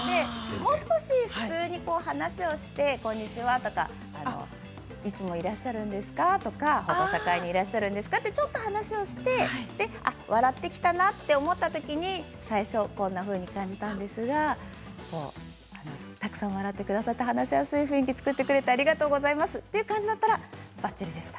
もう少し普通にこんにちは、とかいつもいらっしゃるんですか？とかちょっと話をして笑ってきたなと思った時に最初こんなふうに感じたんですがたくさん笑ってくださって話しやすい雰囲気を作ってくださってありがとうございますという感じだったらばっちりです。